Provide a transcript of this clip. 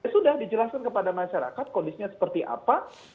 sudah dijelaskan kepada masyarakat kondisinya seperti apa